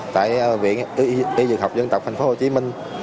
tại viện y dược học dân tộc tp hcm